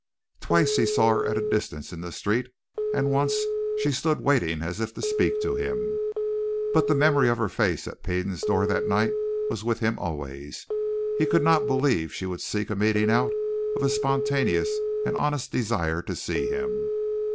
Twice he saw her at a distance in the street, and once she stood waiting as if to speak to him. But the memory of her face at Peden's door that night was with him always; he could not believe she would seek a meeting out of a spontaneous and honest desire to see him.